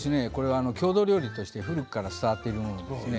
郷土料理として古くから伝わっているんですね。